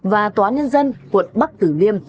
và tòa nhân dân quận bắc tử liêm